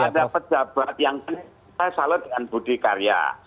kalau ada pejabat yang salah dengan budi karya